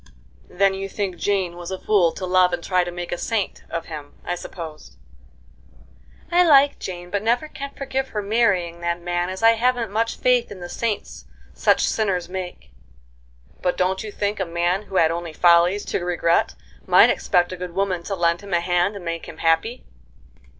"Then you think Jane was a fool to love and try to make a saint of him, I suppose?" "I like Jane, but never can forgive her marrying that man, as I haven't much faith in the saints such sinners make." "But don't you think a man who had only follies to regret might expect a good woman to lend him a hand and make him happy?"